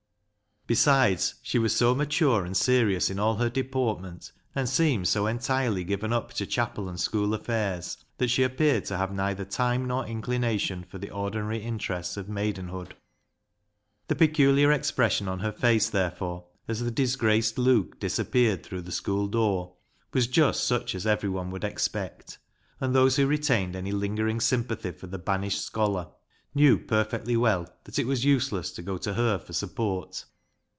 Besides, she was so mature and serious in all her deportment, and seemed so entirely given up to chapel and school affairs, that she appeared to have neither time nor inclination for the ordinary interests of maidenhood. The peculiar expression on her face, there fore, as the disgraced Luke disappeared through the school door, was just such as everyone would expect ; and those who re tained any lingering sympathy for the banished scholar, knew perfectly well that it was use less to go to her for support.